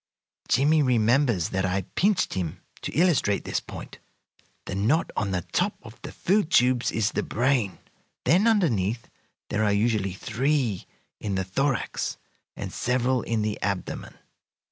Jimmie remembers that I pinched him to illustrate this point. The knot on the top of the food tubes is the brain, then underneath there are usually three in the thorax and several in the abdomen.